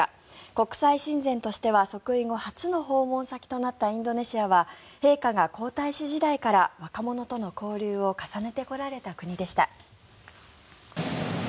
国際親善としては即位後初の訪問先となったインドネシアは陛下が皇太子時代から若者との交流を重ねてこられた国でした。